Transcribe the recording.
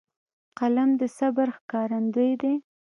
قلم د صبر ښکارندوی دی